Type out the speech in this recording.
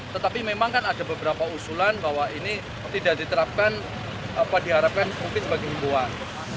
tetapi memang kan ada beberapa usulan bahwa ini tidak diterapkan diharapkan covid sembilan belas sebagai kembuhan